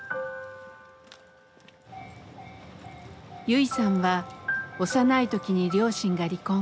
ユイさんは幼い時に両親が離婚。